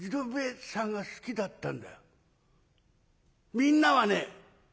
みんなはね